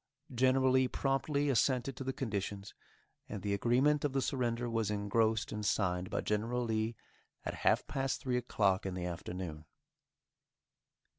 General Lee promptly assented to the conditions, and the agreement of the surrender was engrossed and signed by General Lee at half past three o'clock in the afternoon.